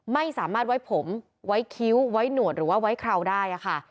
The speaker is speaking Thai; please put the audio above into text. ไม่สามารถไว้ผมไว้คิ้วไว้หนวดหรือว่าไว้เคราวได้ค่ะ